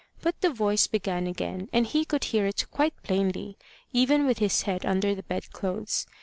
But the voice began again; and he could hear it quite plainly, even with his head under the bed clothes.